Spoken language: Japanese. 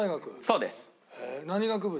そうです。